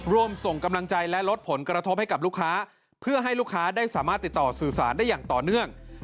ร่วมส่งกำลังใจและลดผลกระทบให้กับลูกค้าเพื่อให้ลูกค้าได้สามารถติดต่อสื่อสารได้อย่างต่อเนื่อง